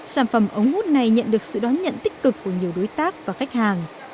sản phẩm ống hút này nhận được sự đón nhận tích cực của nhiều đối tác và khách hàng